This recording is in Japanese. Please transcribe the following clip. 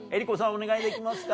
お願いできますか。